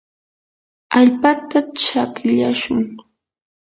allpata chakmyashun.